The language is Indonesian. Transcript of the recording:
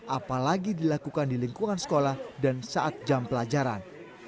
apalagi dilakukan di lingkungan sekolah dan saat jam pelajaran